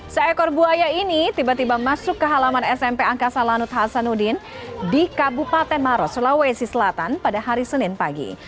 seekor buaya ini tiba tiba masuk ke halaman smp angkasa lanut hasanuddin di kabupaten maros sulawesi selatan pada hari senin pagi